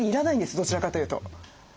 どちらかというと。